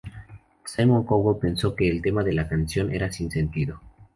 Simon Cowell pensó que el tema de la canción era "sin sentido".